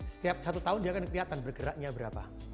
setiap satu tahun dia akan kelihatan bergeraknya berapa